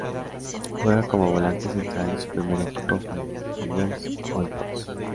Juega como volante central y su primer equipo fue Newell's Old Boys.